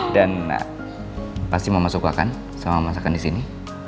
dan pasti mama suka kan sama masakan disini